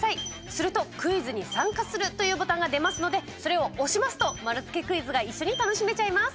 すると「クイズに参加する」というボタンが出ますのでそれを押しますと丸つけクイズが一緒に楽しめちゃいます。